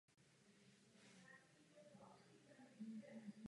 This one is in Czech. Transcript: Zástupci této vývojové linie žijí téměř ve všech oblastech světa.